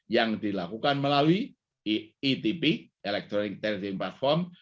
yang dilakukan melalui etp electronic trading platform